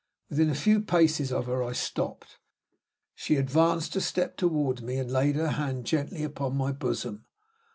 Within a few paces of her I stopped. She advanced a step toward me, and laid her hand gently on my bosom.